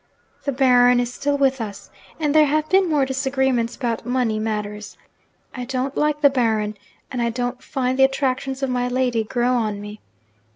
The Baron is still with us, and there have been more disagreements about money matters. I don't like the Baron and I don't find the attractions of my lady grow on me.